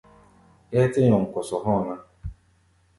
Ɛ́ɛ́ tɛ́ nyɔŋ kɔsɔ hɔ̧́ɔ̧ ná.